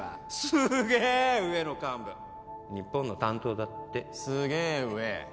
すげえ上の幹部日本の担当だってすげえ上？